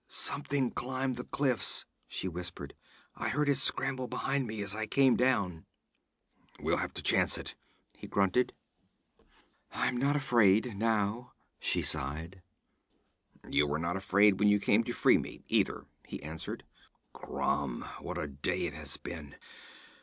'Something climbed the cliffs,' she whispered. 'I heard it scrambling behind me as I came down.' 'We'll have to chance it,' he grunted. 'I am not afraid now,' she sighed. 'You were not afraid when you came to free me, either,' he answered. 'Crom, what a day it has been!